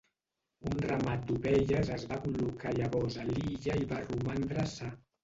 Un ramat d'ovelles es va col·locar llavors a l'illa i va romandre sa.